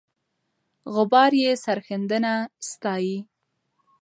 غبار یې سرښندنه ستایي.